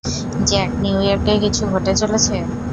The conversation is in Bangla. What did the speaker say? জ্যাক, নিউইয়র্কে কিছু ঘটে চলেছে!